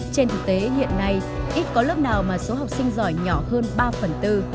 trên thực tế hiện nay ít có lớp nào mà số học sinh giỏi nhỏ hơn ba phần tư